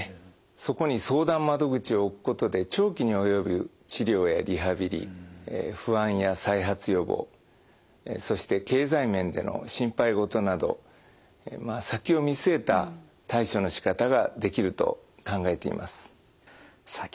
そこに相談窓口を置くことで長期に及ぶ治療やリハビリ不安や再発予防そして経済面での心配事などまあ先を見据えた対処のしかたができると考えています。